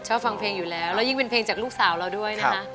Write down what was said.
ชอบฟังเพลงอยู่แล้วแล้วยิ่งเป็นเพลงจากลูกสาวเราด้วยนะคะ